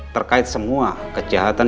terkait semua kejahatan